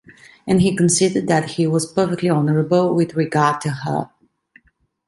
And he considered that he was perfectly honourable with regard to her.